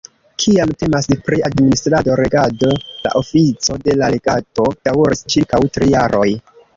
Kiam temas pri administrado-regado, la ofico de la legato daŭris ĉirkaŭ tri jaroj.